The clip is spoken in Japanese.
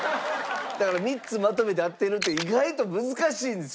だから３つまとめて合ってるって意外と難しいんですよ